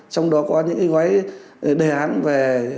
trong đó có những cái gói đề án về